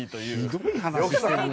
ひどい話してるな。